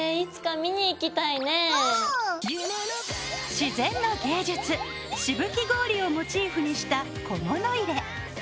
自然の芸術しぶき氷をモチーフにした小物入れ。